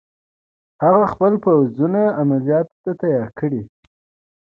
هغه خپل پوځونه عملیاتو ته تیار کړي.